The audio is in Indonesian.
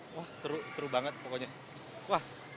wah seru seru banget pokoknya